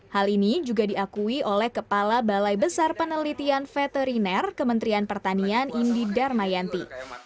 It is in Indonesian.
hal ini juga diakui oleh kepala balai besar penelitian veteriner kementerian pertanian indi darmayanti